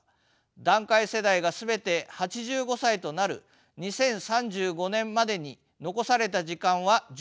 団塊世代が全て８５歳となる２０３５年までに残された時間は１０年弱です。